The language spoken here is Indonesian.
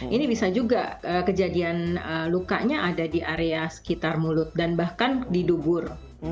ini bisa juga kejadian lukanya ada di area sekitar mulut dan bahkan di dubur